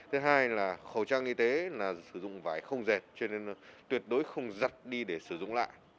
thứ hai là khẩu trang y tế là sử dụng vải không dệt cho nên tuyệt đối không giặt đi để sử dụng lại